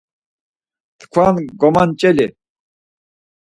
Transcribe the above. Tkvan gomanç̌eli.